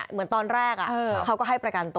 เหมือนตอนแรกเขาก็ให้ประกันตัว